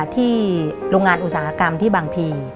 ที่โรงงานอุตสาหกรรมที่บางพี